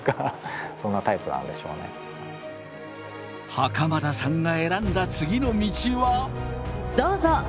袴田さんが選んだ次の道は。